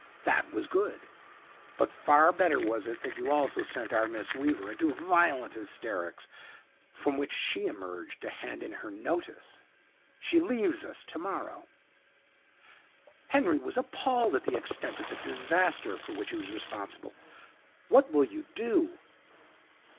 That was good; but far better was it that you also sent our Miss Weaver into violent hysterics, from which she emerged to hand in her notice. She leaves us tomorrow.' Henry was appalled at the extent of the disaster for which he was responsible. 'What will you do?'